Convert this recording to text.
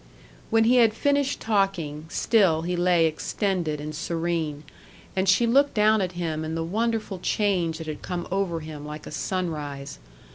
When he had finished talking, still he lay extended and serene; and she looked down at him and the wonderful change that had come over him, like a sunrise.